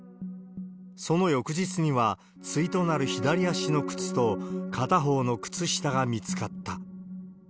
その翌日には、対となる左足の靴と片方の靴下が見つかった。